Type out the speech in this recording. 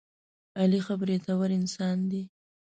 علي ښه برېتور انسان دی.